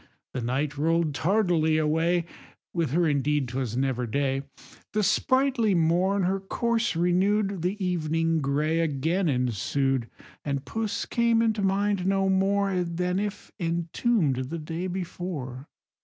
The night roll'd tardily away, (With her indeed 'twas never day,) The sprightly morn her course renew'd, The evening grey again ensued, And puss came into mind no more Than if entomb'd the day before.